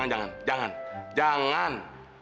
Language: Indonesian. jangan jangan jangan